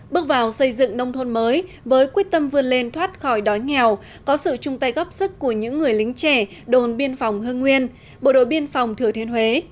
bước vào xây dựng nông thôn mới với quyết tâm vươn lên thoát khỏi đói nghèo có sự chung tay góp sức của những người lính trẻ đồn biên phòng hương nguyên bộ đội biên phòng thừa thiên huế